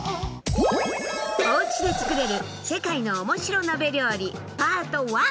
「おうちで作れる世界のおもしろなべ料理パート１！」。